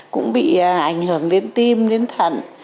cũng bị ảnh hưởng đến tim đến thần